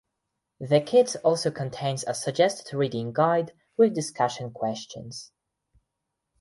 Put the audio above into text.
The kits also contains a suggested reading guide with discussion questions.